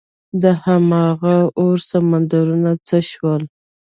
دهمغه اور سمندران څه شول؟